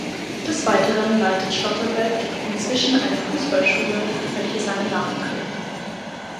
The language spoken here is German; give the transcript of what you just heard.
Des Weiteren leitet Schlotterbeck inzwischen eine Fußballschule, welche seinen Namen trägt.